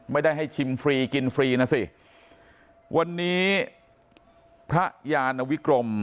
ไม่ได้ให้ชิมฟรีกินฟรีนะสิวันนี้พระยานวิกรม